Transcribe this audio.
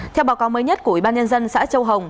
theo báo cáo mới nhất của ubnd xã châu hồng